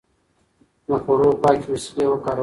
د خوړو پاکې وسيلې وکاروئ.